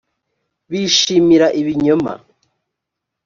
bishimira ibinyoma